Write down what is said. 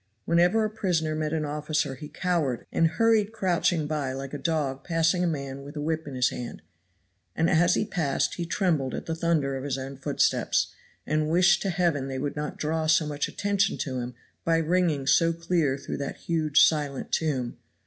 Whenever a prisoner met an officer he cowered and hurried crouching by like a dog passing a man with a whip in his hand; and as he passed he trembled at the thunder of his own footsteps, and wished to Heaven they would not draw so much attention to him by ringing so clear through that huge silent tomb.